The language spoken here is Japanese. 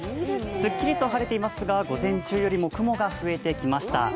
すっきりと晴れていますが午前中よりも雲が増えてきました。